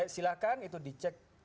silahkan itu dicek